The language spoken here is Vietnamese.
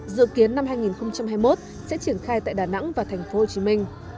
dự kiến năm hai nghìn hai mươi một sẽ triển khai tại đà nẵng và thành phố hồ chí minh